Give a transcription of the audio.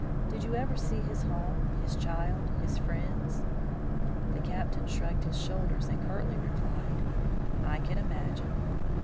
Did you ever see his home, his child, his friends?" The Captain shrugged his shoulders and curtly replied: "I can imagine."